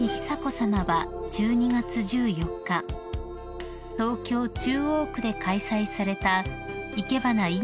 久子さまは１２月１４日東京中央区で開催されたいけばな